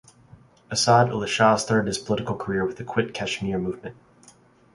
Assad Ullah Shah started his political carrer with the Quit Kashmir Movement.